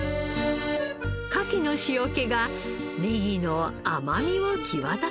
カキの塩気がネギの甘みを際立たせます。